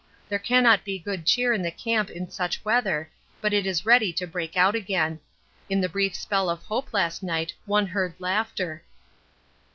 There cannot be good cheer in the camp in such weather, but it is ready to break out again. In the brief spell of hope last night one heard laughter.